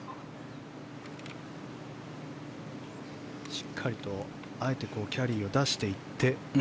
しっかりとあえてキャリーを出していって。